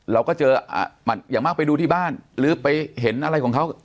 เราก็เจออย่างมากไปดูที่บ้านหรือไปเห็นอะไรของเขา